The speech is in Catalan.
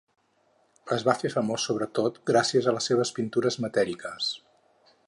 Es va fer famós sobretot gràcies a les seves pintures matèriques.